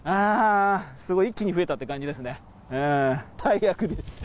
すごい一気に増えたって感じですね。